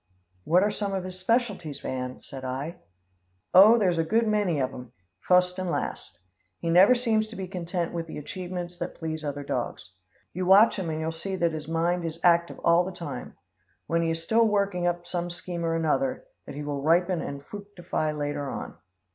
"What are some of his specialties, Van?" said I. "Oh, there's a good many of 'em, fust and last. He never seems to be content with the achievements that please other dogs. You watch him and you'll see that his mind is active all the time. When he is still he's working up some scheme or another, that he will ripen and fructify later on.